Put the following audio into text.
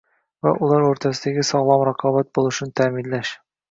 va ular o‘rtasida sog‘lom raqobat bo‘lishini ta’minlash.